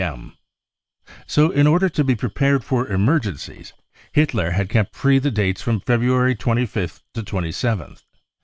m." „ So in order to be prepared for emergencies Hitler had kept free the dates from February 25th to 27th.